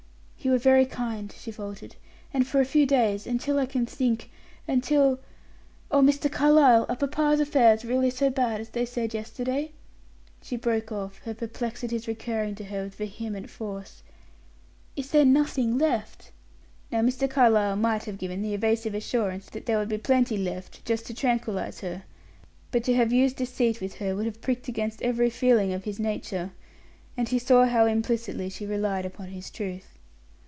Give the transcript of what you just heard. "You are very kind," she faltered; "and for a few days; until I can think; until Oh, Mr. Carlyle, are papa's affairs really so bad as they said yesterday?" she broke off, her perplexities recurring to her with vehement force. "Is there nothing left?" Now Mr. Carlyle might have given the evasive assurance that there would be plenty left, just to tranquilize her. But to have used deceit with her would have pricked against every feeling of his nature; and he saw how implicitly she relied upon his truth.